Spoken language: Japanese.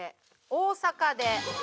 「大阪で」。